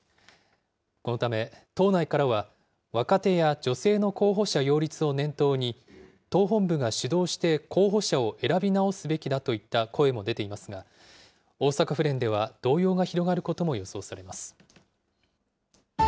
このため、党内からは若手や女性の候補者擁立を念頭に、党本部が主導して候補者を選び直すべきだといった声も出ていますが、大阪府連では動揺が広がることも予想されます。